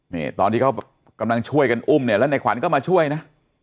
นี่ตอนที่เขากำลังช่วยกันอุ้มเนี่ยแล้วในขวัญก็มาช่วยนะ